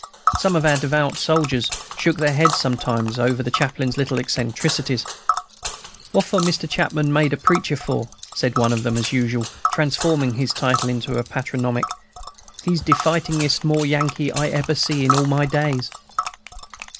Some of our devout soldiers shook their heads sometimes over the chaplain's little eccentricities. "Woffor Mr. Chapman made a preacher for?" said one of them, as usual transforming his title into a patronymic. "He's de fightingest more Yankee I eber see in all my days."